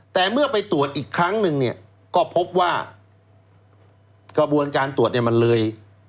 แต่เมื่อไปตรวจอีกครั้งหนึ่งเนี่ยก็พบว่ากระบวนการตรวจเนี่ยมันเลย